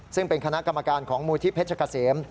ซึ่งเป็นคณะกรรมการของมูลที่เพชรเกษม